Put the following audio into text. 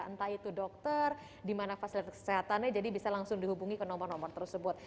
entah itu dokter di mana fasilitas kesehatannya jadi bisa langsung dihubungi ke nomor nomor tersebut